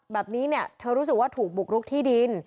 แบบนี้เนี่ยเธอรู้สึกว่าถูกบุกรุกที่ดิน